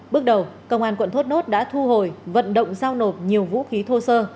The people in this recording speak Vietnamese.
bước đầu công an quận thốt nốt đã thu hồi vận động giao nộp nhiều vũ khí thô sơ